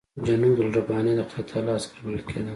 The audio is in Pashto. جنودالربانیه د خدای تعالی عسکر بلل کېدل.